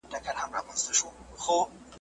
ړوند سړی په یوه ښار کي اوسېدلی `